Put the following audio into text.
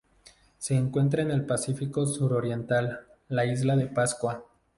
Se encuentra en el Pacífico sur-oriental: la Isla de Pascua.